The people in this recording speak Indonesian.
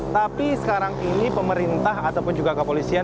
tapi sekarang ini pemerintah ataupun juga kepolisian